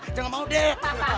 udah gak mau deh